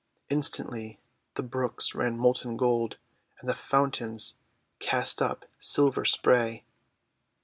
Instantly the brooks ran molten gold, and the fountains cast up silver spray.